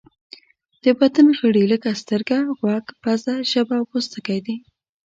د بدن غړي لکه سترګه، غوږ، پزه، ژبه او پوستکی دي.